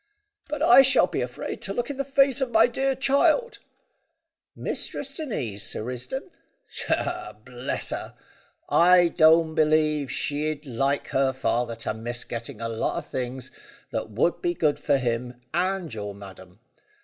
"But I shall be afraid to look in the face of my dear child." "Mistress Denise, Sir Risdon? Tchah! Bless her! I don' believe she'd like her father to miss getting a lot of things that would be good for him, and your madam.